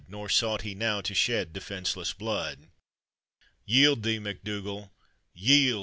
Nor sought he now to shed defense! blnod. " Yield thee, MacDougall, yield!